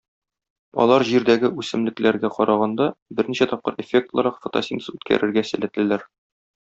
Алар Җирдәге үсемлекләргә караганда берничә тапкыр эффектлырак фотосинтез үткәрергә сәләтлеләр.